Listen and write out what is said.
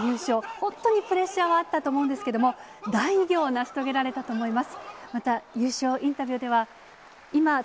本当にプレッシャーはあったと思うんですけど、大偉業を成し遂げ全国のお天気をお伝えします。